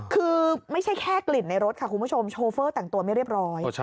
คือไม่ใช่แค่กลิ่นในรถค่ะคุณผู้ชมโชเฟอร์แต่งตัวไม่เรียบร้อย